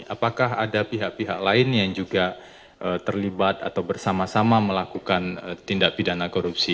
apakah ada pihak pihak lain yang juga terlibat atau bersama sama melakukan tindak pidana korupsi